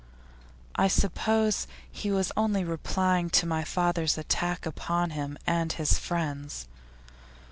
'I suppose he was only replying to my father's attack upon him and his friends.